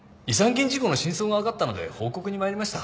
金事故の真相がわかったので報告に参りました。